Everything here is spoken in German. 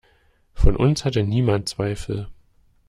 Von uns hatte niemand Zweifel.